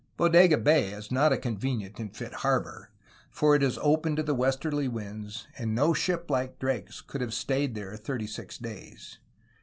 Bodega Bay is not a "conuenient and fit harborough," for it is open to the westerly winds, and no ship like Drake's could have stayed there thirty six days.